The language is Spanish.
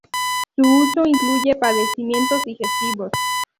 Su uso incluye padecimientos digestivos.